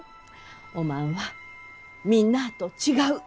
おまんはみんなあと違う。